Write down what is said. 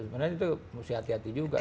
sebenarnya itu mesti hati hati juga